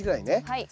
はい。